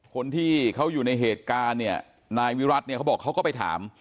คนที่เขาอยู่ในเหตุการณ์เนี่ยนายวิรัติเนี่ยเขาบอกเขาก็ไปถาม